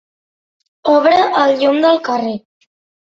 Obre el llum del carrer.